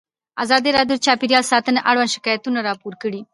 ازادي راډیو د چاپیریال ساتنه اړوند شکایتونه راپور کړي.